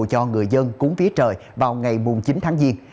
cho người dân cúng vía trời vào ngày mùng chín tháng diên